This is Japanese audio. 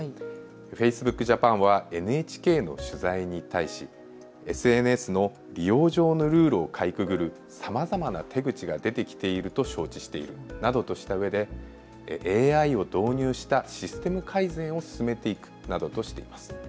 フェイスブックジャパンはＮＨＫの取材に対しＳＮＳの利用上のルールをかいくぐるさまざまな手口が出てきていると承知しているなどとしたうえでＡＩを導入したシステム改善を進めていくなどとしています。